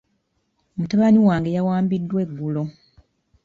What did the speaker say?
Mutabani wange yawambiddwa eggulo .